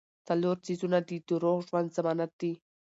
څلور څيزونه د روغ ژوند ضمانت دي -